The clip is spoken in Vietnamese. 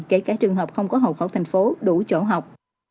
kể cả trường học không có hậu khẩu thành phố đủ chỗ học